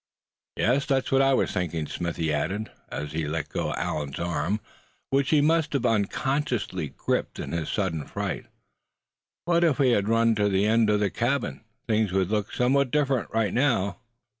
"Yes, that's what I was thinking," Smithy added, as he let go Allan's arm, which he must have unconsciously gripped in his sudden fright; "what if we had run to that end of the cabin, things would look somewhat different right now."